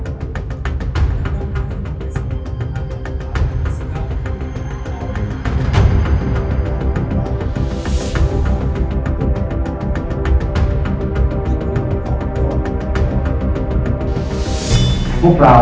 ดื่มดูสีของพวกเรา